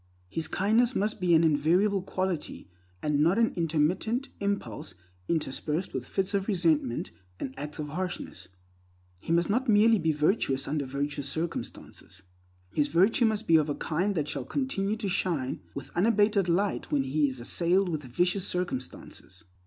His kindness must be an invariable quality, and not an intermittent impulse interspersed with fits of resentment and acts of harshness. He must not merely be virtuous under virtuous circumstances; his virtue must be of a kind that shall continue to shine with unabated light when he is assailed with vicious circumstances.